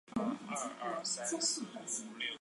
洛格莱姆。